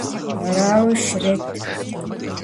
Арауи щрет!